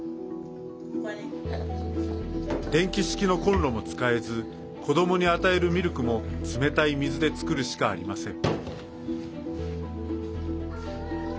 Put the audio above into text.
電気式のコンロも使えず子どもに与えるミルクも冷たい水で作るしかありません。